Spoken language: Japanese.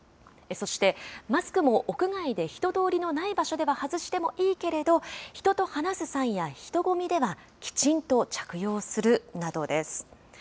そして、マスクも屋外で人通りのない場所では外してもいいけれど、人と話す際や人混みではきちんと着用するなどです。